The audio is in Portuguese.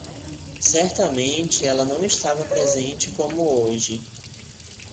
Certamente ela não estava presente como hoje.